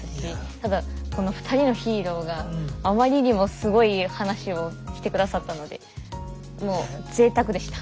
この２人のヒーローがあまりにもすごい話をして下さったのでもうぜいたくでした。